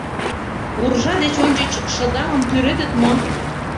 Уржа деч ончыч шыдаҥым тӱредыт мо?